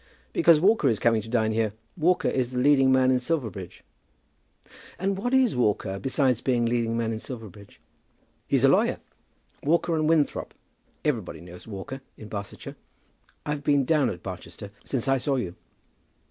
"Because Walker is coming to dine here. Walker is the leading man in Silverbridge." "And what is Walker; besides being leading man in Silverbridge?" "He's a lawyer. Walker and Winthrop. Everybody knows Walker in Barsetshire. I've been down at Barchester since I saw you."